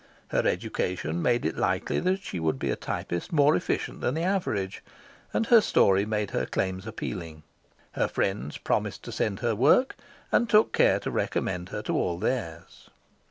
Her education made it likely that she would be a typist more efficient than the average, and her story made her claims appealing. Her friends promised to send her work, and took care to recommend her to all theirs.